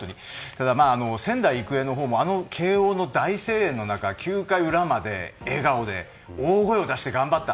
ただ、仙台育英のほうも慶應の大声援の中、９回裏まで笑顔で、大声を出して頑張った。